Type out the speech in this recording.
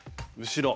後ろ。